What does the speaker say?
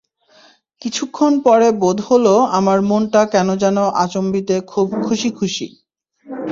কিছুক্ষণ পরে বোধ হলো আমার মনটা কেন যেন আচম্বিতে খুব খুশি খুশি।